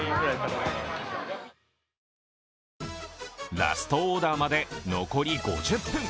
ラストオーダーまで残る５０分。